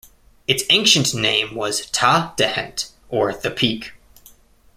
Its ancient name was Ta Dehent, or "the peak".